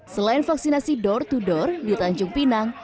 selain vaksinasi door to door di tanjung pinang